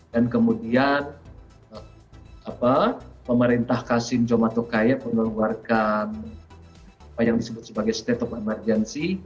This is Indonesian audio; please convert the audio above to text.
dan kemudian pemerintah kasim jomatokaya meneluarkan apa yang disebut sebagai state of emergency